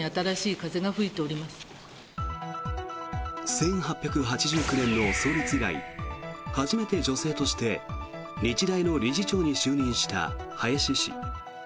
１８８９年の創立以来初めて女性として日大の理事長に就任した林氏。